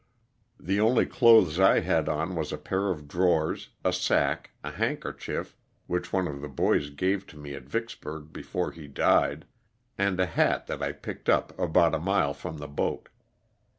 The only clothes I had on was a pair of drawers, a sack, a handkerchief (which one of the boys gave to me at Vicksburg before he died), and a hat that I picked up about a mile from the boat.